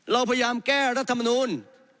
เราพยายามแก้รัฐมนูล